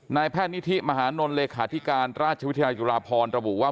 นายแพทย์นิธิมหานลเลขาธิการราชวิทยาจุฬาพรระบุว่า